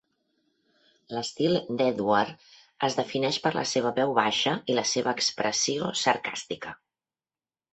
L"estil d"Edward es defineix per la seva veu baixa i la seva expressió sarcàstica.